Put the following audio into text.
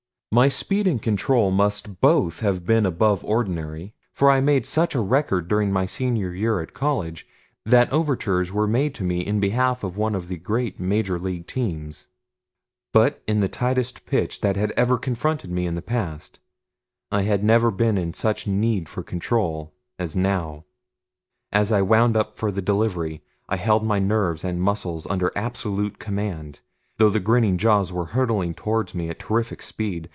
My speed and control must both have been above the ordinary, for I made such a record during my senior year at college that overtures were made to me in behalf of one of the great major league teams; but in the tightest pitch that ever had confronted me in the past I had never been in such need for control as now. As I wound up for the delivery, I held my nerves and muscles under absolute command, though the grinning jaws were hurtling toward me at terrific speed.